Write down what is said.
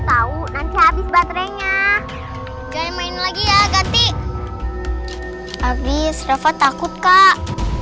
tau nanti habis baterainya jangan main lagi ya ganti habis rafa takut kak